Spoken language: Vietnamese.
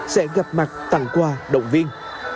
sẽ gặp mặt tặng quà động viên